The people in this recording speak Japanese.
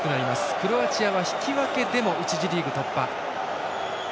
クロアチアは引き分けでも１次リーグ突破。